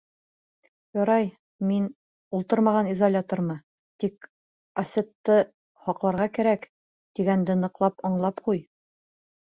Ярай, мин, ултырмаған изолятормы, тик Асетте һаҡларға кәрәк, тигәнде ныҡлап аңлап ҡуй.